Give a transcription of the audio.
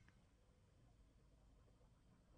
Mitti ko‘zlarining huzurdan qisilgani